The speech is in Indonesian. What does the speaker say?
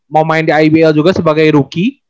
mau main di ibl juga sebagai rookie